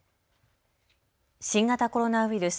新型コロナウイルス。